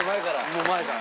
もう前から。